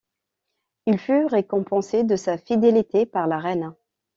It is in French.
Il fut récompensé de sa fidélité par la reine.